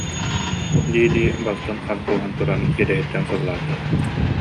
дии-дии балтын хам кууһан туран иэдэһиттэн сыллаата